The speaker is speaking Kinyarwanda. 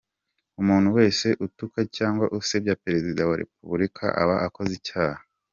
Umuntu wese utuka cyangwa usebya Perezida wa Repubulika, aba akoze icyaha.